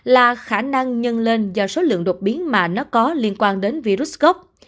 là khả năng nhân lên do số lượng đột biến mà nó có liên quan đến virus corona